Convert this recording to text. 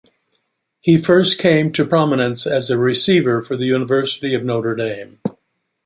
He first came to prominence as a receiver for the University of Notre Dame.